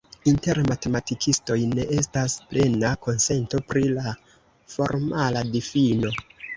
Inter matematikistoj ne estas plena konsento pri la formala difino.